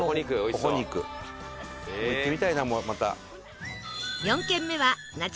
行ってみたいなまた。